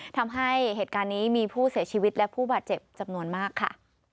ทำให้เหตุการณ์นี้มีผู้เสียชีวิตและผู้บาดเจ็บจำนวนมากค่ะ